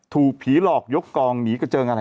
ถูกผีหลอกยกกองหนีกระเจิงอะไร